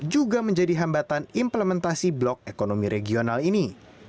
juga menjadi hambatan implementasi blok ekonomi regional ini